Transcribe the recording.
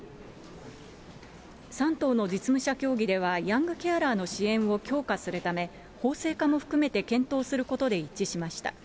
３党の実務者協議では、ヤングケアラーの支援を強化するため、法制化も含めて検討することで一致しました。